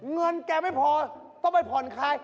เงินแกไม่พอต้องไปผ่อนคลาย